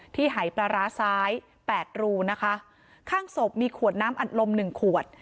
หายปลาร้าซ้ายแปดรูนะคะข้างศพมีขวดน้ำอัดลมหนึ่งขวด